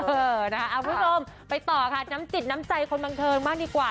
เออนะคะคุณผู้ชมไปต่อค่ะน้ำจิตน้ำใจคนบันเทิงมากดีกว่า